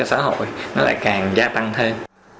xã hội nó lại càng gia tăng thêm